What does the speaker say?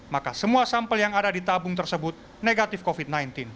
maka semua sampel yang ada di tabung tersebut negatif covid sembilan belas